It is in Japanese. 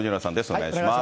お願いします。